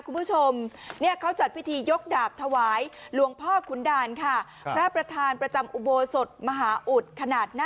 คุณผู้ชมเขาจัดพิธียกดาบถวายหลวงพ่อคุณด่านค่ะ